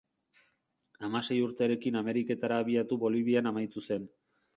Hamasei urterekin Ameriketara abiatu Bolivian amaitu zen.